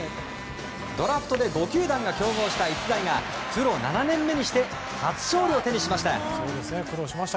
ドラフトで５球団が競合した逸材がプロ７年目にして初勝利を手にしました！